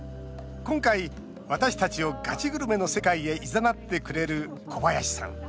今回、私たちをガチグルメの世界へいざなってくれる、小林さん。